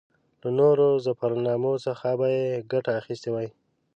له نورو ظفرنامو څخه به یې ګټه اخیستې وي.